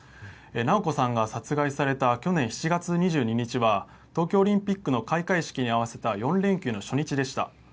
直子さんが殺害された去年７月２２日は東京オリンピックの開会式に合わせた４連休の初日でした。